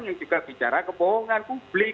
yang juga bicara kebohongan publik